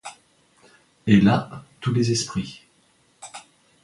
Et là tous les esprits.